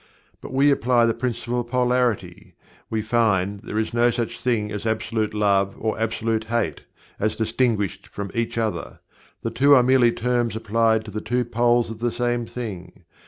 But we apply the Principle of Polarity; we find that there is no such thing as Absolute Love or Absolute Hate, as distinguished from each other. The two are merely terms applied to the two poles of the same thing.